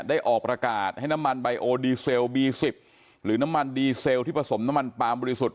ออกประกาศให้น้ำมันไบโอดีเซลบี๑๐หรือน้ำมันดีเซลที่ผสมน้ำมันปลามบริสุทธิ์